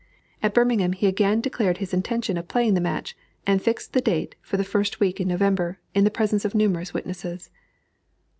At Birmingham he again declared his intention of playing the match, and fixed the date for the first week in November, in the presence of numerous witnesses.